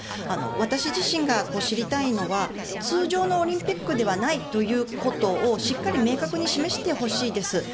私自身が知りたいのは通常のオリンピックではないということをしっかり明確に示してほしいです。